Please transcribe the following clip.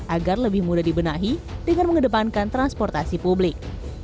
agar lebih mudah dibenahi dengan mengedepankan transportasi publik